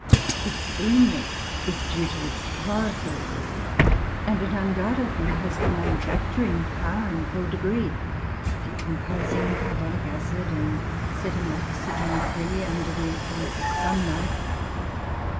Its greenness is due to its chlorophyll, and it undoubtedly has the manufacturing power in full degree, decomposing carbonic acid and setting oxygen free, under the influence of sunlight.